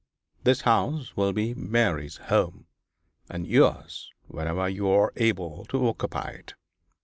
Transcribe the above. This house will be Mary's home, and yours whenever you are able to occupy it.